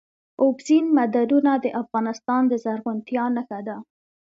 اوبزین معدنونه د افغانستان د زرغونتیا نښه ده.